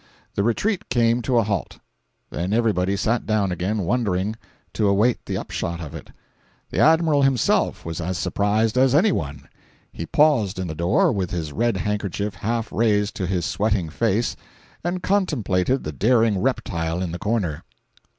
The retreat came to a halt; then everybody sat down again wondering, to await the upshot of it. The Admiral himself was as surprised as any one. He paused in the door, with his red handkerchief half raised to his sweating face, and contemplated the daring reptile in the corner.